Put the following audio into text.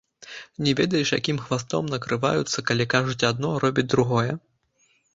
Не ведаеш, якім хвастом накрываюцца, калі кажуць адно, а робяць другое?